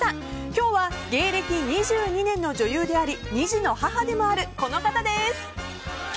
今日は芸歴２２年の女優であり２児の母でもあるこの方です。